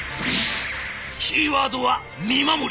キーワードは見守り！